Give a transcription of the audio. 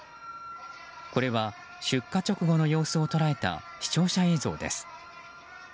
これは出火直後の様子を捉えた視聴者映像です。